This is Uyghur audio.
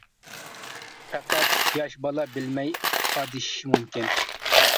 پەقەت ياش بالا بىلمەي ئادىشىشى مۇمكىن.